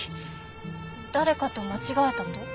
誰かと間違えたと？